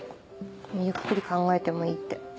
ゆっくり考えてもいいって。